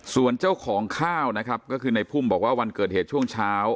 ส่วนเจ้าของข้าวนะครับก็คือในพุ่มบอกว่าวันเกิดเหตุช่วงเช้า